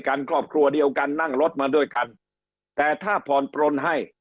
ครอบครัวเดียวกันนั่งรถมาด้วยกันแต่ถ้าผ่อนปลนให้